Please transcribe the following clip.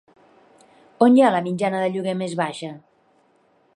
On hi ha la mitjana de lloguer més baixa?